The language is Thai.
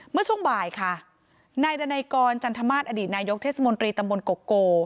เมื่อช่วงบ่ายค่ะนายดันัยกรจันทมาสอดีตนายกเทศมนตรีตำบลโกโก